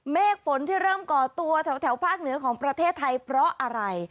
เมฆฝนที่เริ่มก่อตัวแถวภาคเหนือของประเทศไทยเพราะอะไร